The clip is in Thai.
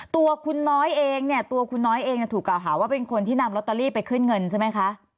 ตัวคุณน้อยเองเนี่ยตัวคุณน้อยเองถูกกล่าวหาว่าเป็นคนที่นำลอตเตอรี่ไปขึ้นเงินใช่ไหมคะ